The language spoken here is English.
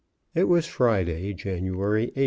It was Friday, January 8.